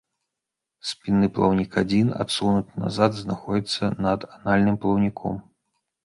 Спінны плаўнік адзін, адсунуты назад, знаходзіцца над анальным плаўніком.